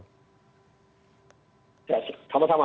sehat selalu sama sama